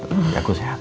udah aku sehat